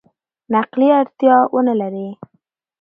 نقلي اړتیا ونه لري.